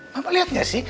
mama liat gak sih